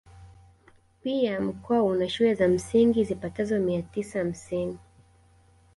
Pia mkoa una shule za msingi zipatazo mia tisa hamsini